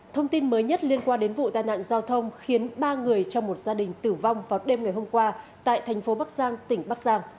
thông tin mới nhất liên quan đến vụ tai nạn giao thông khiến ba người trong một gia đình tử vong vào đêm ngày hôm qua tại thành phố bắc giang tỉnh bắc giang